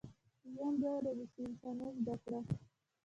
ژوند دوه ورځې شي، انسانیت زده کړه.